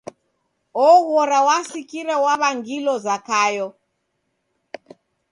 Oghora wasikire waw'angilo Zakayo.